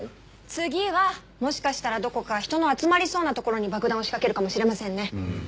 次はもしかしたらどこか人の集まりそうな所に爆弾を仕掛けるかもしれませんね。